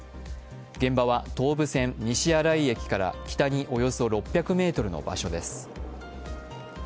現場は東武線西新井駅から北におよそ６００ｍの場所です。